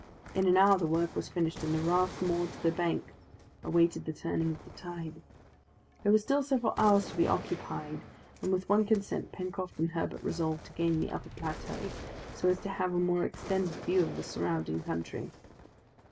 In an hour the work was finished, and the raft moored to the bank, awaited the turning of the tide. There were still several hours to be occupied, and with one consent Pencroft and Herbert resolved to gain the upper plateau, so as to have a more extended view of the surrounding country.